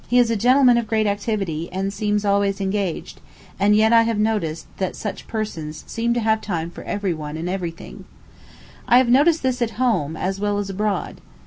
He is a gentleman of great activity, and seems always engaged; and yet I have noticed that such persons seem to have time for every one and every thing. I have noticed this at home, as well as abroad.